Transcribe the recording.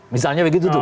misalnya begitu tuh